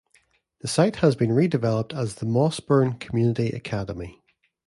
The site has been redeveloped as the Mossbourne Community Academy.